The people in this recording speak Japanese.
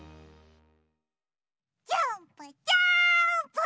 ジャンプジャンプ！